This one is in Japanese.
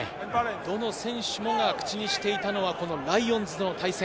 どの選手も口にしていたのはライオンズとの対戦。